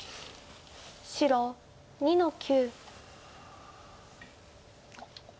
白２の九。